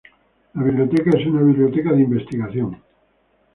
La biblioteca es una biblioteca de investigación.